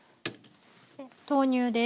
豆乳です。